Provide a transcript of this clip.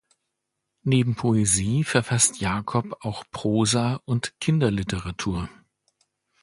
Neben Poesie verfasst Jakob auch Prosa und Kinderliteratur.